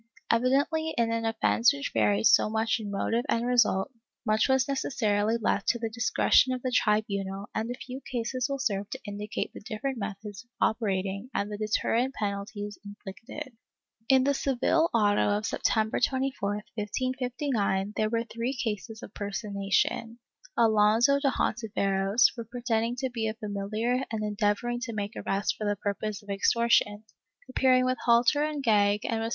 ^ Evidently in an offence which varied so much in motive and result, much was necessarily left to the discretion of the tribunal and a few cases will serve to indicate the different methods of operating and the deterrent penalties inflicted. In the Seville auto of September 24, 1559, there were three cases of personation. Alonso de Hontiveros, for pretending to be a familiar and endeavoring to make arrests for the purpose of extortion, appeared with halter and gag and was sent to Xeres his ^ MS.